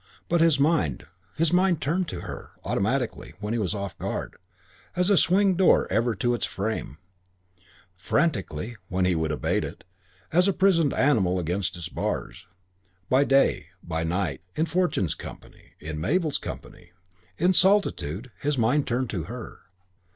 But his mind his mind turned to her; automatically, when he was off his guard, as a swing door ever to its frame; frantically, when he would abate it, as a prisoned animal against its bars. By day, by night, in Fortune's company, in Mabel's company, in solitude, his mind turned to her.